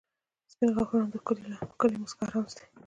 • سپین غاښونه د ښکلې مسکا رمز دی.